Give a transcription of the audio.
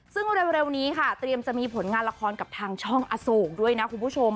ซึ่งเร็วนี้ค่ะเตรียมจะมีผลงานละครกับทางช่องอโศกด้วยนะคุณผู้ชม